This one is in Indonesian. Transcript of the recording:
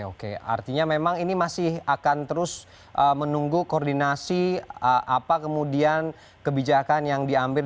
oke artinya memang ini masih akan terus menunggu koordinasi apa kemudian kebijakan yang diambil